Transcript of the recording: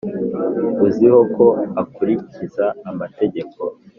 uziho ko akurikiza amategeko,